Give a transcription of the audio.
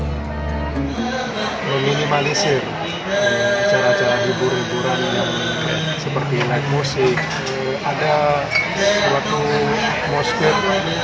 seperti lagu musik ada suatu musik suasana ramadannya begitu kental